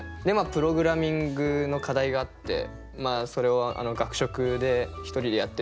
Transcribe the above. プログラミングの課題があってそれを学食で１人でやってて。